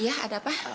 iya ada apa